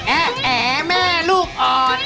แอแม่ลูกอ่อน